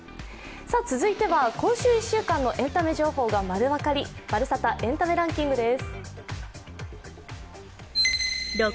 続いては今週１週間のエンタメ情報が丸わかり、「まるサタ」エンタメランキングです。